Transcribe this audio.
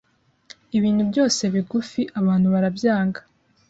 ibintu byose bigufi abantu barabyanga